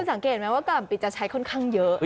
สังเกตไหมว่ากล่ำปีจะใช้ค่อนข้างเยอะ